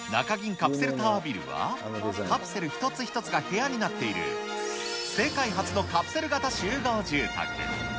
カプセルタワービルは、カプセル一つ一つが部屋になっている、世界初のカプセル型集合住宅。